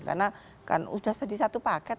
karena sudah satu paket